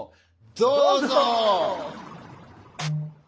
どうぞ！